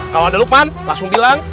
kalau ada lukman langsung bilang